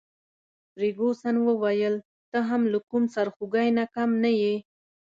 فرګوسن وویل: ته هم له کوم سرخوږي نه کم نه يې.